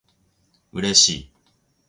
嬉しい